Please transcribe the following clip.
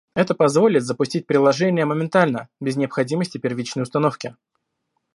Это позволит запустить приложение моментально, без необходимости первичной установки